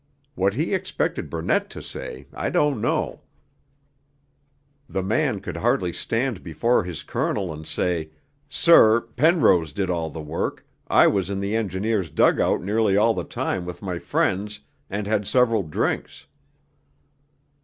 What he expected Burnett to say, I don't know; the man could hardly stand before his Colonel and say, 'Sir, Penrose did all the work, I was in the Engineers' dug out nearly all the time with my friends, and had several drinks.'